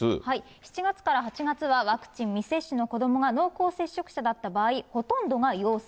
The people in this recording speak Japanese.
７月から８月はワクチン未接種の子どもが濃厚接触者だった場合、ほとんどが陽性。